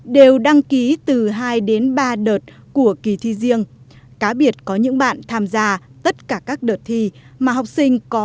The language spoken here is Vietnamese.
đều đạt được tốt nghiệp trung học phổ thông